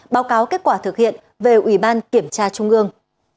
báo cáo kết quả thực hiện về ủy ban kiểm tra trung ương